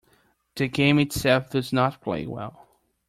The game itself does not play well.